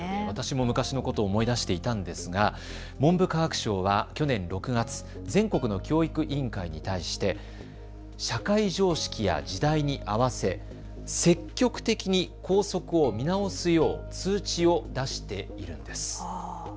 私も昔のことを思い出していたんですが文部科学省は去年６月、全国の教育委員会に対して社会常識や時代に合わせ積極的に校則を見直すよう通知を出しているんです。